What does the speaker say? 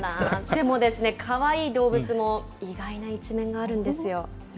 でもですね、かわいい動物も意外な一面があるんですよ。